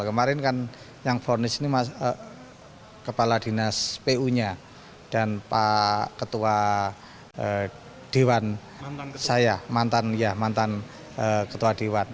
kemarin kan yang fornis ini kepala dinas pu nya dan pak ketua dewan saya mantan ya mantan ketua dewan